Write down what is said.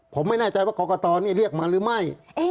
ผมไม่แน่ใจว่ากรกตนี่เรียกมาหรือไม่